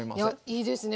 いいですね。